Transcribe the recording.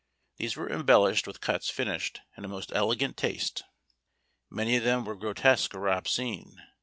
These were embellished with cuts finished in a most elegant taste: many of them were grotesque or obscene.